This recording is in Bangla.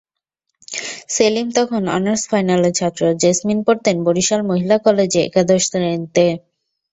সেলিম তখন অনার্স ফাইনালের ছাত্র, জেসমিন পড়তেন বরিশাল মহিলা কলেজে একাদশ শ্রেণিতে।